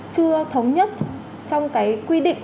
chưa thống nhất trong cái quy định